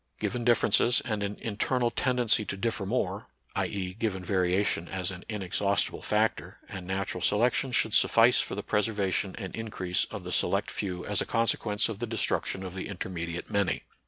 Given differences and an internal ten dency to differ more, i.e., given variation as an inexhaustible factor, and natural selection should suffice for the preservation and increase of the select few as a consequence of the destruction of the intermediate many.